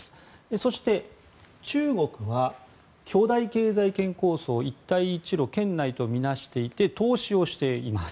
そして、中国は巨大経済圏構想一帯一路圏内とみなしていて投資をしています。